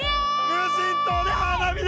無人島で花火だ！